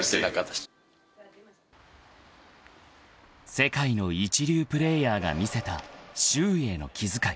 ［世界の一流プレーヤーが見せた周囲への気遣い］